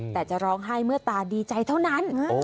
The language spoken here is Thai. แต่จะร้องไห้เมื่อตาดีใจเท่านั้น